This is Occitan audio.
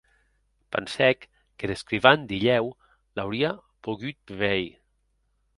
Pensèc qu’er escrivan dilhèu l’aurie pogut veir.